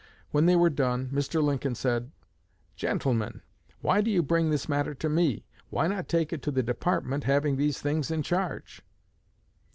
When they were done, Mr. Lincoln said, 'Gentlemen, why do you bring this matter to me? Why not take it to the Department having these things in charge?'